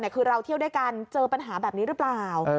คือเราเที่ยวด้วยกันเจอปัญหาแบบนี้หรือเปล่า